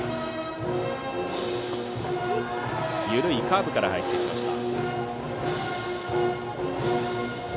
緩いカーブから入ってきました。